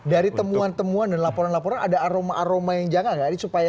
dari temuan temuan dan laporan laporan ada aroma aroma yang janggal nggak